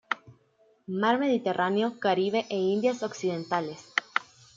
Mar Mediterráneo, Caribe e Indias Occidentales.